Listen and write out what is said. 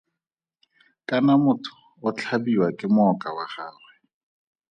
Kana motho o tlhabiwa ke mooka wa gagwe.